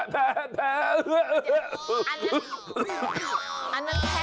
แพ้แพ้อันนั้นอันนั้นแพ้เจ็บโผล่